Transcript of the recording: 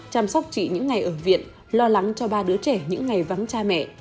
chăm sóc chị những ngày ở viện lo lắng cho ba đứa trẻ những ngày vắng cha mẹ